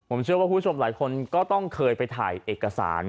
ผมเชื่อว่าคุณผู้ชมหลายคนก็ต้องเคยไปถ่ายเอกสาร